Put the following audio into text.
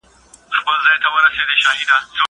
زه پرون موسيقي واورېده.